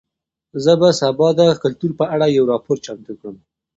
زه به سبا د کلتور په اړه یو راپور چمتو کړم.